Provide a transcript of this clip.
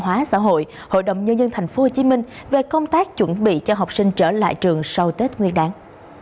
hóa xã hội hội đồng nhân dân tp hcm về công tác chuẩn bị cho học sinh trở lại trường sau tết nguyên đáng